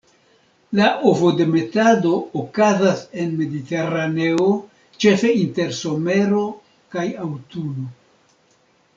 La ovodemetado okazas en Mediteraneo ĉefe inter somero kaj aŭtuno.